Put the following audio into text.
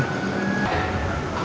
aku mau ke rumah lo